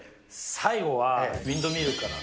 最後はウインドミルから。